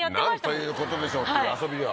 「なんということでしょう」っていう遊びを？